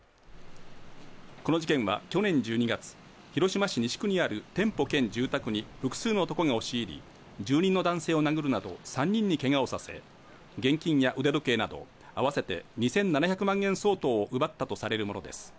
この事件は去年１２月、広島市西区にある店舗兼住宅に複数の男が押し入り住人の男性を殴るなど、３人にけがをさせ、現金や腕時計など合わせて２７００万円相当を奪ったとされるものです。